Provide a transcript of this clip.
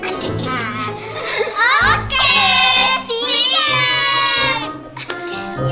buat tempat makan dulu ya